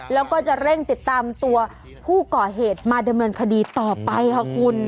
แล้วก็จะเร่งติดตามตัวผู้ก่อเหตุมาดำเนินคดีต่อไปค่ะคุณ